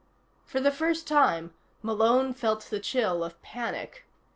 For the first time, Malone felt the chill of panic.